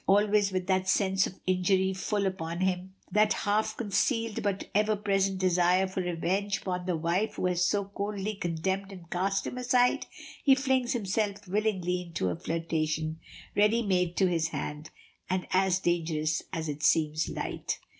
Always with that sense of injury full upon him, that half concealed but ever present desire for revenge upon the wife who has so coldly condemned and cast him aside, he flings himself willingly into a flirtation, ready made to his hand, and as dangerous as it seems light.